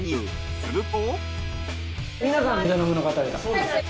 すると。